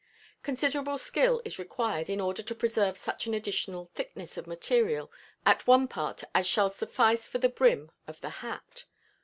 Considerable skill is required in order to preserve such an additional thickness of material at one part as shall suffice for the brim of the hat.